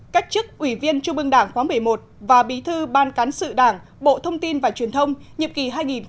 cách chức ủy viên trung ương đảng khóa một mươi một và bí thư ban cán sự đảng bộ thông tin và truyền thông nhiệm kỳ hai nghìn một mươi sáu hai nghìn một mươi sáu